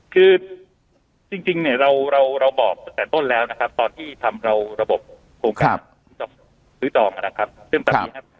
คือจริงเนี่ยเราบอกแต่ต้นแล้วนะครับตอนที่ทำเราระบบโครงการซื้อต่อมานะครับ